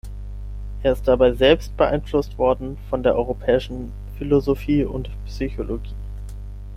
Er ist dabei selbst beeinflusst worden von der europäischen Philosophie und Psychologie.